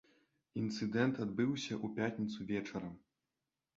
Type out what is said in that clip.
Інцыдэнт адбыўся ў пятніцу вечарам.